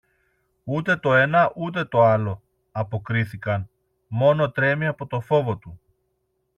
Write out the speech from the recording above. Ούτε το ένα ούτε το άλλο, αποκρίθηκαν, μόνο τρέμει από το φόβο του.